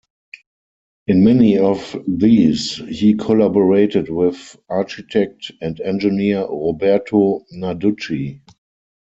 In many of these he collaborated with architect and engineer Roberto Narducci.